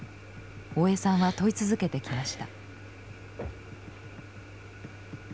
大江さんは問い続けてきました。